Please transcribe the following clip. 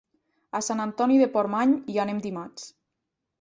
A Sant Antoni de Portmany hi anem dimarts.